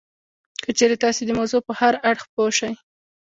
که چېرې تاسې د موضوع په هر اړخ پوه شئ